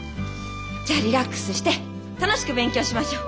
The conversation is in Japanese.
じゃあリラックスして楽しく勉強しましょう。